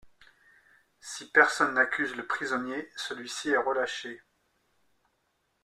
Si personne n’accuse le prisonnier, celui-ci est relâché.